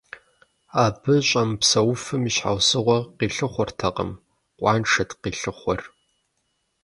Абы щӏэмыпсэуфым и щхьэусыгъуэ къилъыхъуэртэкъым, къуаншэт къилъыхъуэр.